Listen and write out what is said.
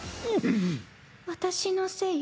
私のせい？